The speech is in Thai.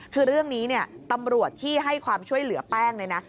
คือเรื่องนี้เนี่ยตำรวจที่ให้ความช่วยเหลือแป้งเลยนะ